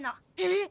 えっ！